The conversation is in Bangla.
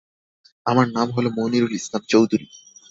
আমার নাম হল মনিরুল ইসলাম চৌধুরী।